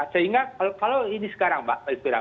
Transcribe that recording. saya ingat kalau ini sekarang mbak elvira